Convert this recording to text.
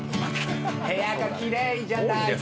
「部屋がきれいじゃないと」